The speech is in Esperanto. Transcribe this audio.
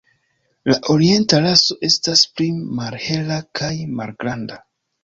La orienta raso estas pli malhela kaj malgranda.